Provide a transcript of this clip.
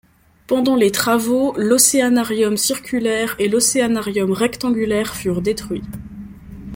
Pendant les travaux, l’Oceanarium circulaire et l’Oceanarium rectangulaire furent détruits.